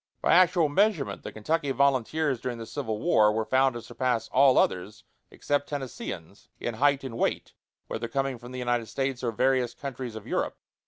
By actual measurement the Kentucky volunteers during the Civil War were found to surpass all others (except Tennesseeans) in height and weight, whether coming from the United States or various countries of Europe.